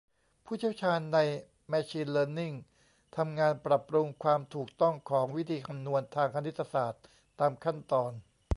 ผู้เชี่ยวชาญในแมชีน เลิร์นนิ่งทำงานปรับปรุงความถูกต้องของวิธีคำนวณทางคณิตศาสตร์ตามขั้นตอน